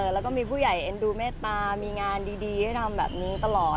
แล้วก็มีผู้ใหญ่เอ็นดูเมตตามีงานดีให้ทำแบบนี้ตลอด